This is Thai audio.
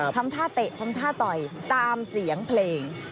ทำท่าเตะทำท่าต่อยตามเสียงเพลง